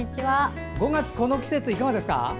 ５月のこの季節いかがですか？